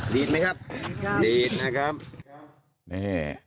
ดีดไหมครับดีดนะครับแม่